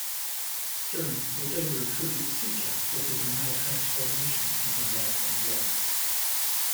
Dern would later attribute Seacat with a dramatic transformation in her life and work.